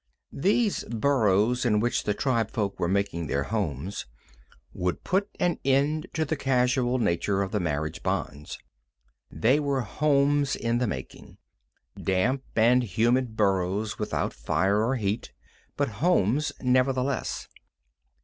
These burrows in which the tribefolk were making their homes would put an end to the casual nature of the marriage bonds. They were homes in the making damp and humid burrows without fire or heat, but homes, nevertheless.